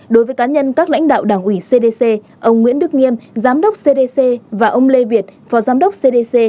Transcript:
đối với cá nhân các lãnh đạo đảng ủy cdc ông nguyễn đức nghiêm giám đốc cdc và ông lê việt phó giám đốc cdc